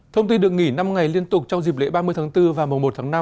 thông tin được nghỉ năm ngày liên tục trong dịp lễ ba mươi tháng bốn và mùa một tháng năm